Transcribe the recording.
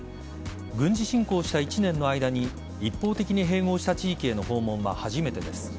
軍事侵攻した１年の間に一方的に併合した地域への訪問は初めてです。